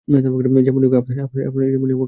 যেমনই হোক আপনাদের কাছে রাখুন।